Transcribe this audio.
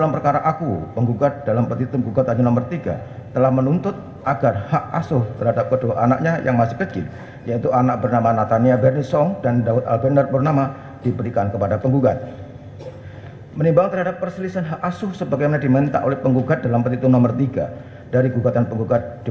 pertama penggugat akan menerjakan waktu yang cukup untuk menerjakan si anak anak tersebut yang telah menjadi ilustrasi